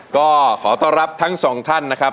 ก็ขอต้อนรับทั้งสองท่านนะครับ